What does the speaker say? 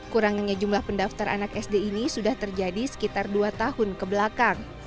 kurangnya jumlah pendaftar anak sd ini sudah terjadi sekitar dua tahun kebelakang